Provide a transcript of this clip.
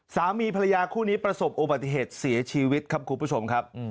สามีภรรยาคู่นี้ประสบอุบัติเหตุเสียชีวิตครับคุณผู้ชมครับ